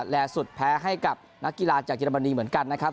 และสุดแพ้ให้กับนักกีฬาจากเยอรมนีเหมือนกันนะครับ